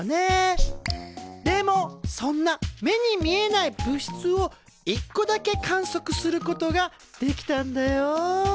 でもそんな目に見えない物質を一個だけ観測することができたんだよ。